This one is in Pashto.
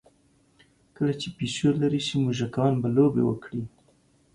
کله چې پیشو لرې شي، موږکان به لوبې وکړي.